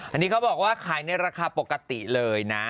อันนี้เขาบอกว่าขายในราคาปกติเลยนะ